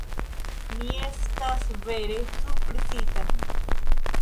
Mi estas vere surprizita!